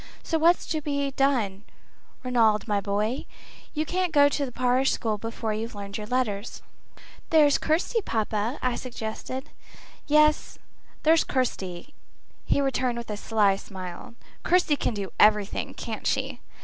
So what's to be done, Ranald, my boy? You can't go to the parish school before you've learned your letters." "There's Kirsty, papa," I suggested. "Yes; there's Kirsty," he returned with a sly smile. "Kirsty can do everything, can't she?"